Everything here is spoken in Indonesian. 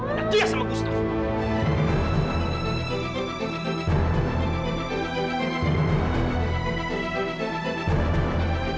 anak dia sama gustaf